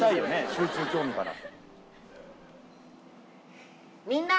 集中・興味から。